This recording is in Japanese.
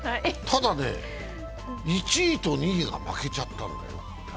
ただね、１位と２位が負けちゃったんだ。